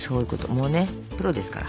もうねプロですから。